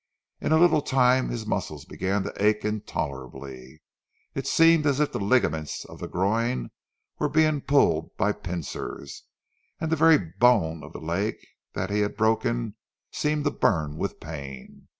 In a little time his muscles began to ache intolerably. It seemed as if the ligaments of the groin were being pulled by pincers, and the very bone of the leg that he had broken, seemed to burn with pain.